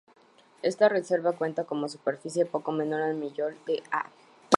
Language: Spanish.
Esta reserva cuenta con una superficie poco menor al millón de ha.